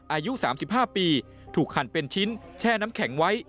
อายุ๓๕ปีถูกหั่นเป็นชิ้นแช่น้ำแข็งไว้